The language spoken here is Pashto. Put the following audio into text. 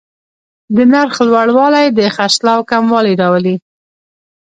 د نرخ لوړوالی د خرڅلاو کموالی راولي.